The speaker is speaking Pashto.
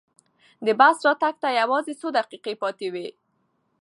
د بس راتګ ته یوازې څو دقیقې پاتې وې.